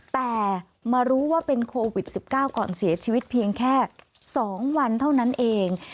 แต่มารู้ว่าเป็นโควิด๑๙ก่อนเสียชีวิตเพียงแค่๒วันเท่านั้นเอง